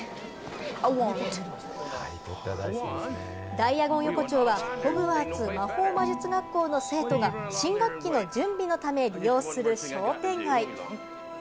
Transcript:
ダイアゴン横丁はホグワーツ魔法魔術学校の生徒が新学期の準備のために利用する商店街。